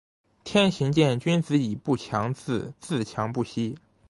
天行健，君子以不强自……自强不息。